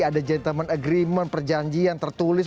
ada gentleman agreement perjanjian tertulis